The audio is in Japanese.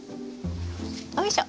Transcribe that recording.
よいしょ。